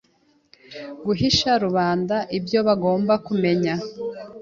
guhisha rubanda ibyo bagomba kumenya.